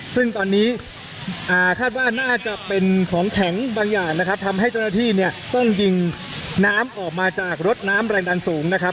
ซึ่งตอนนี้คาดว่าน่าจะเป็นของแข็งบางอย่างนะครับทำให้เจ้าหน้าที่เนี่ยต้องยิงน้ำออกมาจากรถน้ำแรงดันสูงนะครับ